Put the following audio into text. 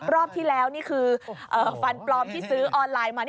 รอบที่แล้วนี่คือฟันปลอมที่ซื้อออนไลน์มา